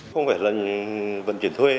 không phải là vận chuyển thuê